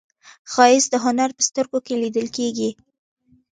ښایست د هنر په سترګو کې لیدل کېږي